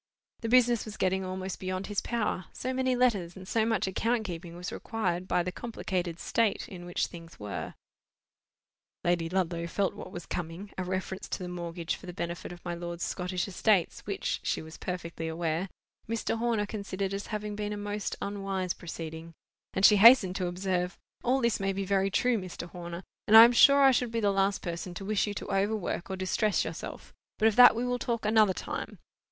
The business was getting almost beyond his power, so many letters and so much account keeping was required by the complicated state in which things were. Lady Ludlow felt what was coming—a reference to the mortgage for the benefit of my lord's Scottish estates, which, she was perfectly aware, Mr. Horner considered as having been a most unwise proceeding—and she hastened to observe—"All this may be very true, Mr. Horner, and I am sure I should be the last person to wish you to overwork or distress yourself; but of that we will talk another time.